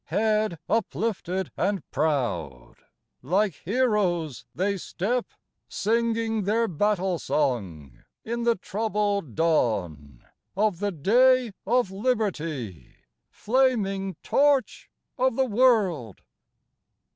Head uplifted and proud, like heroes they step, Singing their battle song in the troubled dawn Of the day of Liberty, flaming torch of the world.